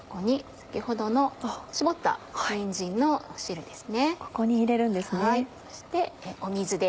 先ほど絞ったにんじんですね